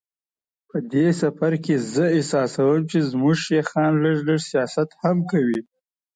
په دې سفر کې زه احساسوم چې زموږ شیخان لږ لږ سیاست هم کوي.